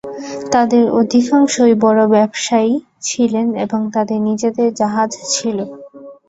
তাদের অধিকাংশই বড় ব্যবসায়ী ছিলেন এবং তাদের নিজেদের জাহাজ ছিল।